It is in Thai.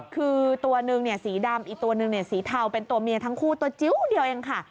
คือตัวหนึ่งสีดำอีกตัวหนึ่งสีเทาเป็นตัวเมียทั้งคู่ตัวจิ๊วเดียวเองค่ะ